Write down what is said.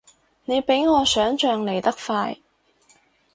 你比我想像嚟得快